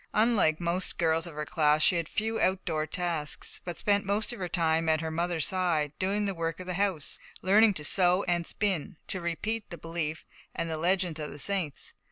Unlike most girls of her class, she had few outdoor tasks, but spent most of her time at her mother's side, doing the work of the house, learning to sew and spin, to repeat the Belief, and the legends of the saints.